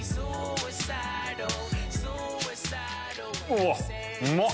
うわっ！